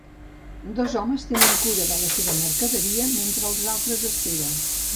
Dos homes tenen cura de la seva mercaderia mentre els altres esperen.